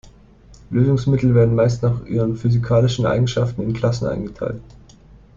Lösungsmittel werden meist nach ihren physikalischen Eigenschaften in Klassen eingeteilt.